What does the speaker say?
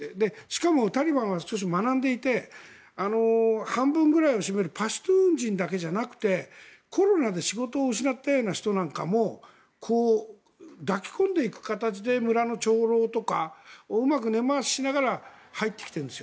ただ、タリバンは学んでいて半分くらいはを占めるパシュトゥーン人だけじゃなくてコロナで仕事を失ったような人なんかを抱き込んでいく形で村の長老とかをうまく根回ししながら入ってきてるんです。